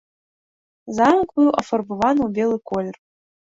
Замак быў афарбаваны ў белы колер.